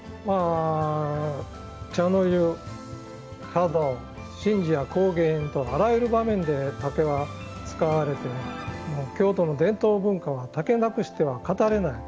茶の湯華道神事や工芸品とあらゆる場面で竹は使われて京都の伝統文化は竹なくしては語れない。